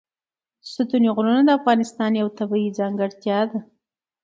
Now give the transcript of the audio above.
ستوني غرونه د افغانستان یوه طبیعي ځانګړتیا ده.